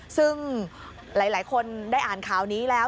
ซึ่งหลายคนได้อ่านข่าวนี้แล้ว